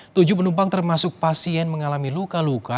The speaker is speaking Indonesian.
tujuh penumpang termasuk pasien mengalami luka luka